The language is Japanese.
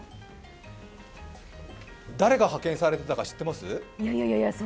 誰が派遣されていたか知ってます？